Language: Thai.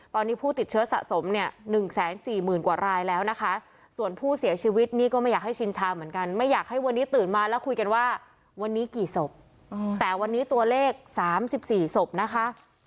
ตอนนี้ผู้ติดเชื้อสะสมเนี่ย๑๔๐๐๐กว่ารายแล้วนะคะส่วนผู้เสียชีวิตนี่ก็ไม่อยากให้ชินชาเหมือนกันไม่อยากให้วันนี้ตื่นมาแล้วคุยกันว่าวันนี้กี่ศพแต่วันนี้ตัวเลข๓๔ศพนะคะ